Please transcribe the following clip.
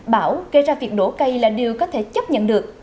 bão gây ra việc đổ cây là điều có thể chấp nhận được